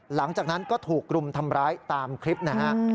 หลังจากนั้นก็ถูกรุมทำร้ายตามคลิปนะฮะ